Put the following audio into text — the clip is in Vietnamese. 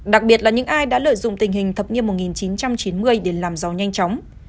đặc biệt là những ai đã lợi dụng tình hình thập niên một nghìn chín trăm chín mươi để làm giàu nhanh chóng